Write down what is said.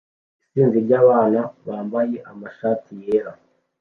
Isinzi ryabana bambaye amashati yera